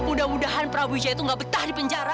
mudah mudahan prabu wijaya itu tidak betah di penjara